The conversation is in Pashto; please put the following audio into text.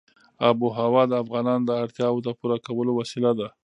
آب وهوا د افغانانو د اړتیاوو د پوره کولو وسیله ده.